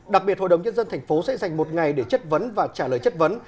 đặc biệt hội đồng nhân dân tp sẽ dành một ngày để chất vấn và trả lời chất vấn